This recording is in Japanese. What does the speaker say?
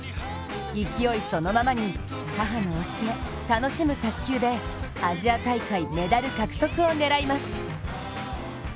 勢いそのままに母の教え・楽しむ卓球でアジア大会メダル獲得を狙います。